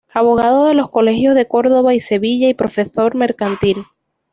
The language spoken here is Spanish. Abogado de los Colegios de Córdoba y Sevilla, y Profesor Mercantil.